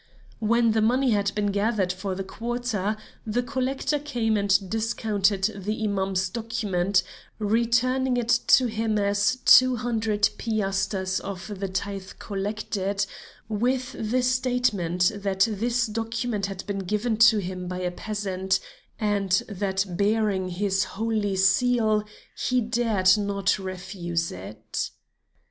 When the money had been gathered for the quarter, the collector came and discounted the Imam's document, returning it to him as two hundred piasters of the tithes collected, with the statement that this document had been given to him by a peasant, and that bearing his holy seal, he dared not refuse it.